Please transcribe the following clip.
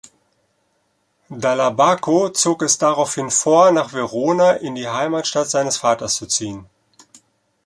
Dall’Abaco zog es daraufhin vor, nach Verona in die Heimatstadt seines Vaters zu ziehen.